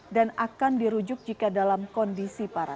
dan akan dirujuk jika dalam kondisi para